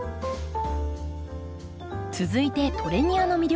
続いてトレニアの魅力